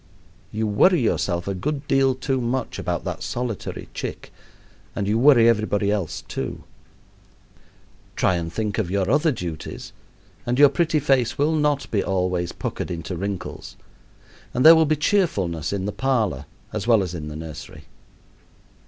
You worry yourself a good deal too much about that solitary chick, and you worry everybody else too. Try and think of your other duties, and your pretty face will not be always puckered into wrinkles, and there will be cheerfulness in the parlor as well as in the nursery.